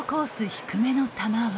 低めの球は。